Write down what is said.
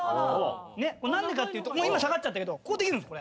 何でかっていうと今下がっちゃったけどこうできるんです。